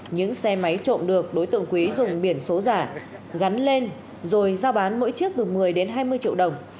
những xe máy trộm được đối tượng quý dùng biển số giả gắn lên rồi giao bán mỗi chiếc từ một mươi đến hai mươi triệu đồng